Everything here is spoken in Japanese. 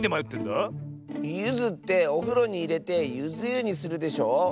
ゆずっておふろにいれてゆずゆにするでしょ？